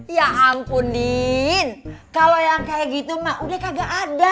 ya ampun din kalau yang kayak gitu mah udah kagak ada